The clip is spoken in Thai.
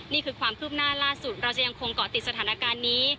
นี่คือความคืบหน้าล่าสุดเราจะยังคงเกาะติดสถานการณ์นี้